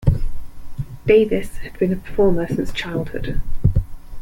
Davis had been a performer since childhood.